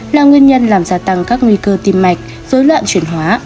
là nguyên nhân làm gia tăng các nguy cơ tim mạch dối loạn chuyển hóa